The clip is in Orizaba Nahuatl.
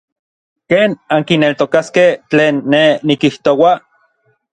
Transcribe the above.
¿ken ankineltokaskej tlen nej nikijtoua?